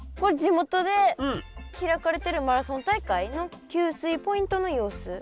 地元で開かれてるマラソン大会の給水ポイントの様子。